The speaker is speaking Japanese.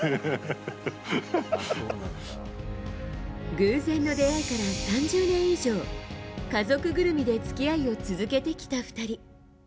偶然の出会いから３０年以上家族ぐるみで付き合いを続けてきた２人。